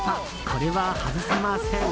これは外せません。